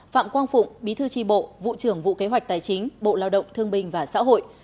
phạm quang phụng bí thư tri bộ vụ trưởng vụ kế hoạch tài chính bộ lao động thương bình và xã hội